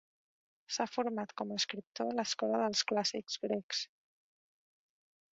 S'ha format com a escriptor a l'escola dels clàssics grecs.